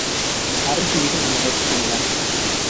Ha recibido numerosos homenajes.